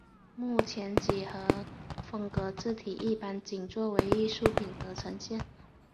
目前几何风格字体一般仅作为艺术品而呈现。